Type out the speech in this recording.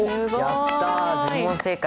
やった全問正解。